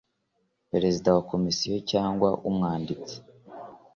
perezida wa komisiyo cyangwa umwanditsi